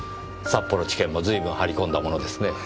札幌地検も随分張り込んだものですね。